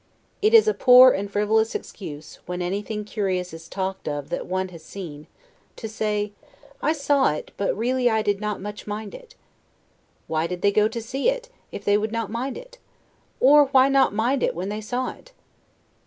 It is a poor and frivolous excuse, when anything curious is talked of that one has seen, to say, I SAW IT, BUT REALLY I DID NOT MUCH MIND IT. Why did they go to see it, if they would not mind it? or why not mind it when they saw it?